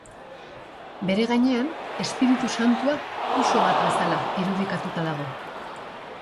Bere gainean, Espiritu Santua uso bat bezala irudikatuta dago.